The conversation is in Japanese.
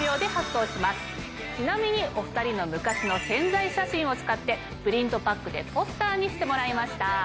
ちなみにお２人の昔の宣材写真を使ってプリントパックでポスターにしてもらいました。